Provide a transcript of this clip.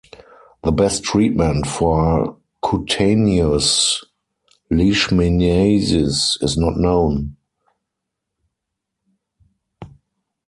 The best treatment for cutaneous leishmaniasis is not known.